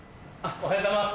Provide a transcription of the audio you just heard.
おはようございます。